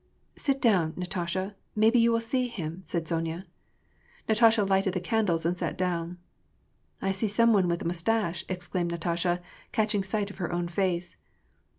" Sit down, Natasha : maybe you will see him," said Sonya. Natasha lighted the candles and sat down. ^^I see some one with a mustache," exclaimed Natasha, catching sight of her own face.